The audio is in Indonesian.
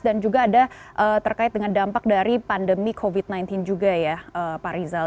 dan juga ada terkait dengan dampak dari pandemi covid sembilan belas juga ya pak rizal